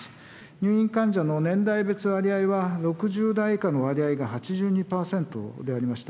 入院患者の年代別割合は６０代以下の割合が８２％でありました。